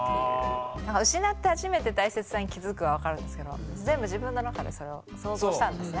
失って初めて大切さに気付くは分かるんですけど全部自分の中でそれを想像したんですね